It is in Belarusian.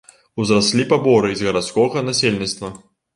Узраслі паборы і з гарадскога насельніцтва.